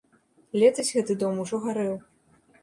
Летась гэты дом ужо гарэў.